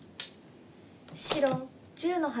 白１０の八。